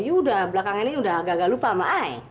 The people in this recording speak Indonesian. yaudah belakang ini udah agak agak lupa ma